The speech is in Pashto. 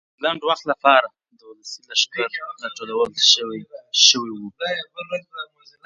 د لنډ وخت لپاره د ولسي لښکر راټولول شو وو.